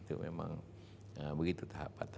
itu memang begitu tahap